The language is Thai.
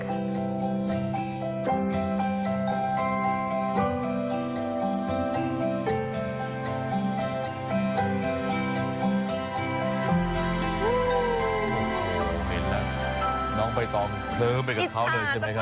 เห็นแล้วน้องใบตองเคลิ้มไปกับเขาเลยใช่ไหมครับ